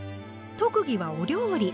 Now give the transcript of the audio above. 特技はお料理。